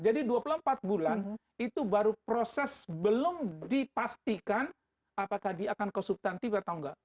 dua puluh empat bulan itu baru proses belum dipastikan apakah dia akan ke subtantif atau enggak